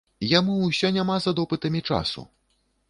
Яму ўсё няма за допытамі часу.